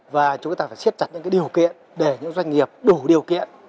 và chúng ta phải siết chặt những điều kiện để những doanh nghiệp đủ điều kiện